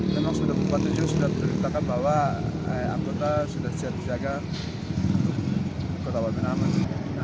memang sudah dua puluh empat tujuh sudah terbitakan bahwa akutah sudah siap disiagakan untuk kota wamena aman